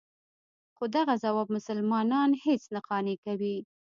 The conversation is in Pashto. خو دغه ځواب مسلمانان هېڅ نه قانع کوي.